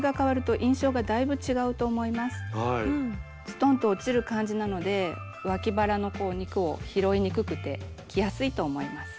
ストンと落ちる感じなのでわき腹の肉を拾いにくくて着やすいと思います。